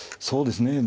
そうですね。